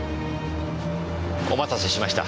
お待たせしました。